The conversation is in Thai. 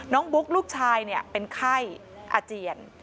บุ๊กลูกชายเป็นไข้อาเจียน